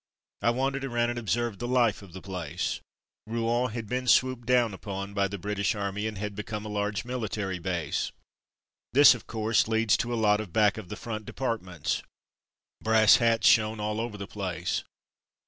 I wandered around and observed the life of the place. Rouen had been swooped down upon by the British Army and had become a large military base. This, of course, leads to a lot of ''Back of the Front'' departments. "Brass hats" shone all over the place.